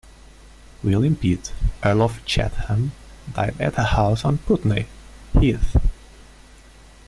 William Pitt, Earl of Chatham, died at a house on Putney Heath.